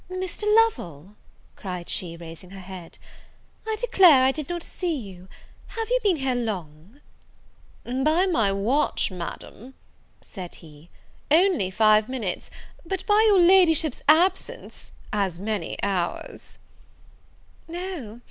"Mr. Lovel!" cried she, raising her head, "I declare I did not see you: have you been here long?" "By my watch, Madam," said he, "only five minutes, but by your Ladyship's absence as many hours." "O!